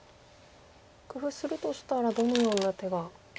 工夫するとしたらどのような手が。